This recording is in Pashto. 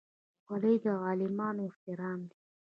خولۍ د عالمانو احترام دی.